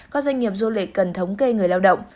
các doanh nghiệp du lịch cần thống kê người lao động